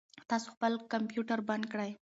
تاسو خپل کمپیوټر بند کړئ.